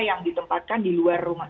yang ditempatkan di luar rumah